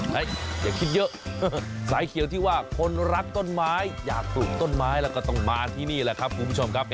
อย่าคิดเยอะสายเขียวที่ว่าคนรักต้นไม้อยากปลูกต้นไม้แล้วก็ต้องมาที่นี่แหละครับคุณผู้ชมครับ